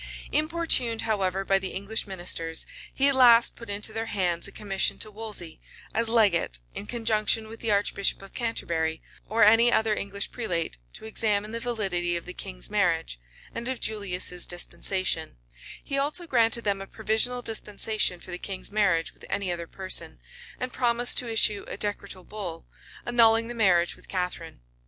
Importuned, however, by the English ministers, he at last put into their hands a commission to Wolsey, as legate, in conjunction with the archbishop of Canterbury, or any other English prelate, to examine the validity of the king's marriage, and of Julius's dispensation:[] he also granted them a provisional dispensation for the king's marriage with any other person; and promised to issue a decretal bull, annulling the marriage with Catharine.